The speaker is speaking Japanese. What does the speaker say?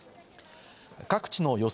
各地の予想